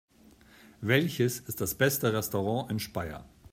Welches ist das beste Restaurant in Speyer?